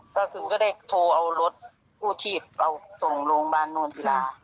ก็คือก็ได้โทรเอารถกู้ชีพเอาส่งโรงพยาบาลโนนศิลา